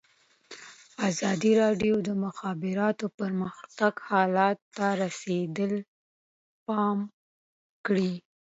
ازادي راډیو د د مخابراتو پرمختګ حالت ته رسېدلي پام کړی.